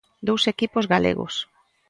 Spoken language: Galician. Dous equipos galegos.